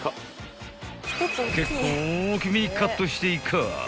［結構大きめにカットしていかぁ］